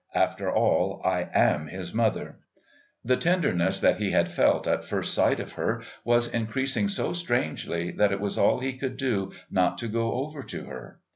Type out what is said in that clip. After all, I am his mother." The tenderness that he had felt at first sight of her was increasing so strangely that it was all he could do not to go over to her.